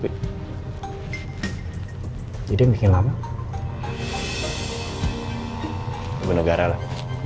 buat negara lah